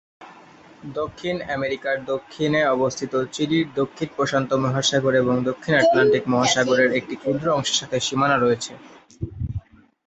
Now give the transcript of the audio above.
দক্ষিণ আমেরিকার দক্ষিণে অবস্থিত চিলির দক্ষিণ প্রশান্ত মহাসাগর এবং দক্ষিণ আটলান্টিক মহাসাগরের একটি ক্ষুদ্র অংশের সাথে সীমানা রয়েছে।